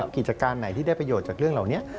กิจการไหนที่ได้ประโยชน์จากเรื่องเหล่านี้